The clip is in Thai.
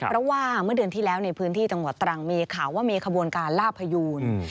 เพราะว่าเมื่อเดือนที่แล้วในพื้นที่จังหวัดตรังมีข่าวว่ามีขบวนการล่าพยูน